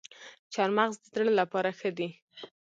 چهارمغز د زړه لپاره ښه دي